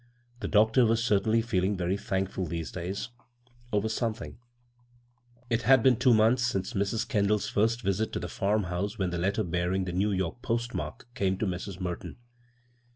The doctor we certainly feeling very thankful these days over something I 83 b, Google CROSS CURRENTS It had been two months since Mrs. Ken dall's first visit to the farmhouse when the let tex bearing the New York postmark came to Mrs. Merton.